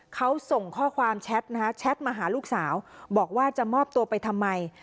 เขาส่งข้อความแชทนะคะแชทมาหาลูกสาวบอกว่าจะมอบตัวไปทำไม